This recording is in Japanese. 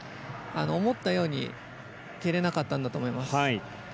思ったように蹴れなかったんだと思います。